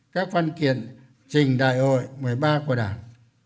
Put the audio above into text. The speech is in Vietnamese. các văn kiện trình đại hội một mươi ba của đảng